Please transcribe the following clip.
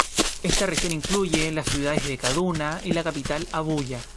Esta región incluye las ciudades de Kaduna y la capital Abuya.